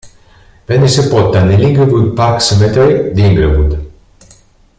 Venne sepolta nell'Inglewood Park Cemetery di Inglewood.